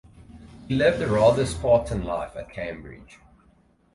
He lived a rather Spartan life at Cambridge.